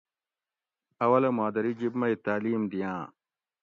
اولہ مادری جِب مئ تاۤلیم دِیاۤں